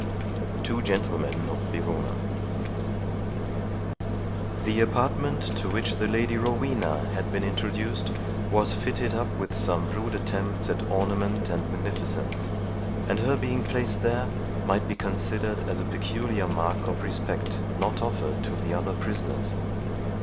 TWO GENTLEMEN OF VERONA The apartment to which the Lady Rowena had been introduced was fitted up with some rude attempts at ornament and magnificence, and her being placed there might be considered as a peculiar mark of respect not offered to the other prisoners.